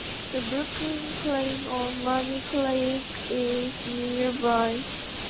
The Brooklyn claim on Money Creek is nearby.